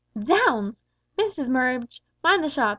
"Zounds! Mrs Murridge, mind the shop!